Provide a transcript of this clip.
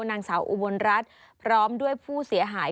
นางสาวอุบลรัฐพร้อมด้วยผู้เสียหาย